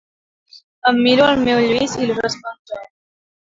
Em miro el meu Lluís i li responc jo.